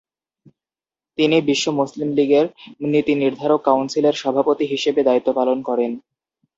তিনি বিশ্ব মুসলিম লীগের নীতিনির্ধারক কাউন্সিলের সভাপতি হিসেবে দায়িত্ব পালন করেন।